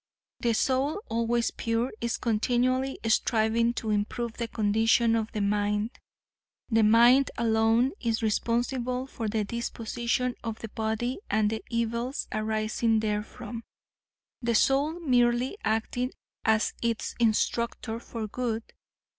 The soul, always pure, is continually striving to improve the condition of the mind. The mind alone is responsible for the disposition of the body and the evils arising therefrom, the soul merely acting as its instructor for good.